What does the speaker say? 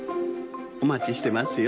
おまちしてますよ。